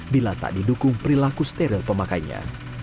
bila tak didukung perilaku steril pemakainya